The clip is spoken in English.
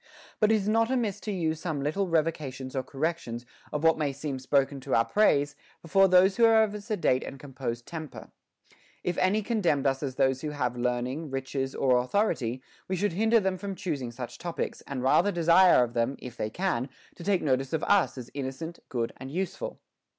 But it is not amiss to use some little revocations or corrections of what may seem spoken to our praise, before those who are of a sedate and composed temper. If any commend us as those who have learning, riches, or authority, we should hinder them from choosing such topics, and rather desire of them, if they can, to take notice of us as innocent, good, and useful.